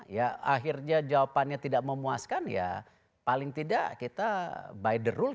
ya akhirnya jawabannya tidak memuaskan ya paling tidak kita by the rule